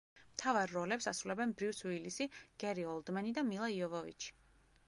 მთავარ როლებს ასრულებენ ბრიუს უილისი, გერი ოლდმენი და მილა იოვოვიჩი.